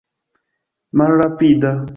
malrapida